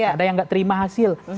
ada yang nggak terima hasil